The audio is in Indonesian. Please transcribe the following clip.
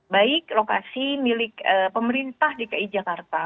baik lokasi milik pemerintah dki jakarta